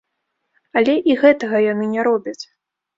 Але і гэтага яны не робяць!